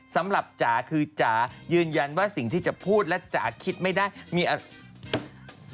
จ๋าคือจ๋ายืนยันว่าสิ่งที่จะพูดและจ๋าคิดไม่ได้มีอะไร